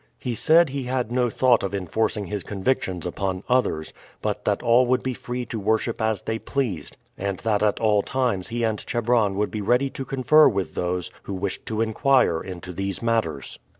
He said he had no thought of enforcing his convictions upon others, but that all would be free to worship as they pleased, and that at all times he and Chebron would be ready to confer with those who wished to inquire into these matters.